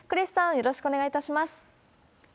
よろしくお願いします。